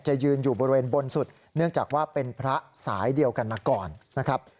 ยืนอยู่บริเวณบนสุดเนื่องจากว่าเป็นพระสายเดียวกันมาก่อนนะครับ